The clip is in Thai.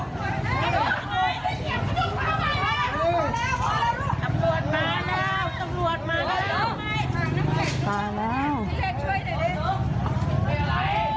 พอแล้วพอแล้ว